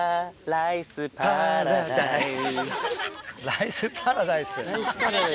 「ライスパラダイス」